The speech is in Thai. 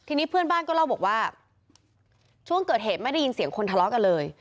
ทีนี้เพื่อนบ้านก็เล่าบอกว่าช่วงเกิดเหตุไม่ได้ยินเสียงคนทะเลาะกันเลย